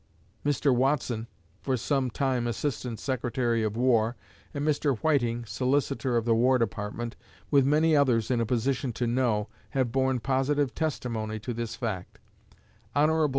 Mr. Watson, for some time Assistant Secretary of War, and Mr. Whiting, Solicitor of the War Department, with many others in a position to know, have borne positive testimony to this fact. Hon.